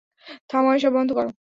থামাও এসব, বন্ধ করো।